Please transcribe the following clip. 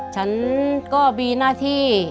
ฉันก็มีหน้าที่